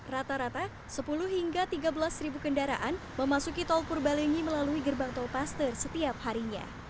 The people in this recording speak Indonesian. rata rata sepuluh hingga tiga belas ribu kendaraan memasuki tol purbalenyi melalui gerbang tol paster setiap harinya